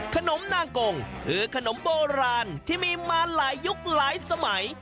ขนมนางกงคือขนมโบราณที่มีมาหลายยุคหลายสมัย